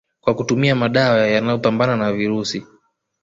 kwa kutumia madawa ya yanayopambana na virusi